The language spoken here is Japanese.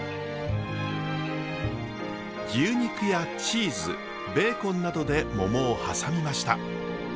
牛肉やチーズベーコンなどで桃を挟みました。